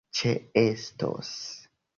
ĉeestos